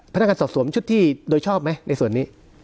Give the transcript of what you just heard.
พนักงานสอบสวนชุดที่โดยชอบไหมในส่วนนี้